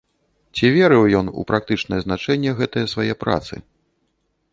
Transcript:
Ці верыў ён у практычнае значэнне гэтае свае працы?